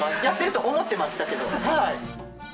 やってると思ってましたけど。